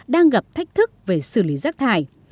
đang gặp thách thức về xử lý rác thải